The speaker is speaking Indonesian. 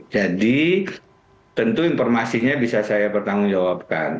jadi tentu informasinya bisa saya bertanggung jawabkan